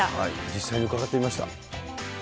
実際に伺ってみました。